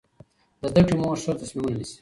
د زده کړې مور ښه تصمیمونه نیسي.